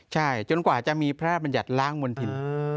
ใช่จนกว่าจะมีพระราชบัญญัติล้างมณฑิน